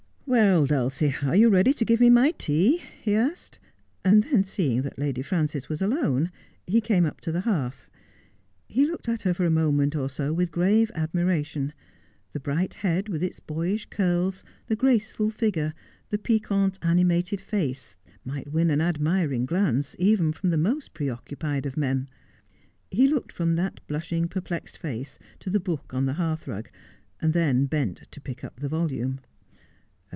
' Well, Dulcie, are you ready to give me my tea 1 ' he asked ; and then seeing that Lady Frances was alone, he came up to the hearth. He looked at her for a moment or so with grave admiration. The bright head, with its boyish curls ; the graceful figure ; the piquant, animated face, might win an admiring glance even from the most preoccupied of men. He looked from that blushing, perplexed face to the book on the hearth rug, and then bent to pick up the volume.